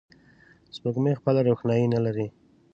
سپوږمۍ خپله روښنایي نه لري